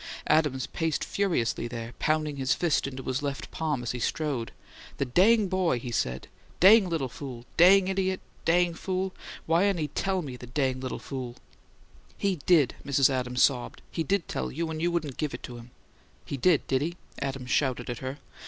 Adams paced furiously there, pounding his fist into his left palm as he strode. "The dang boy!" he said. "Dang little fool! Dang idiot! Dang fool! Whyn't he TELL me, the dang little fool?" "He DID!" Mrs. Adams sobbed. "He DID tell you, and you wouldn't GIVE it to him." "He DID, did he?" Adams shouted at her.